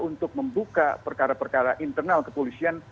untuk membuka perkara perkara internal kepolisian